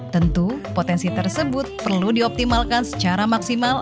tentu potensi tersebut perlu dioptimalkan secara maksimal